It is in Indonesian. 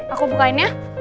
aku bukain ya